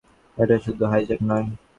এটা শুধু হাইজ্যাক নয়।